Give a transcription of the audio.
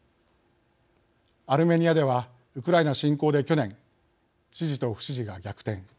アルメニアではウクライナ侵攻で去年、支持と不支持が逆転。